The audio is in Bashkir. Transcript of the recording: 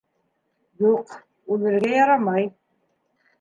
Юҡ, үлергә ярамай.